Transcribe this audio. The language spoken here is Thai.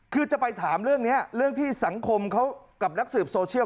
คือจะไปถามเรื่องนี้เรื่องที่สังคมเขากับนักสืบโซเชียล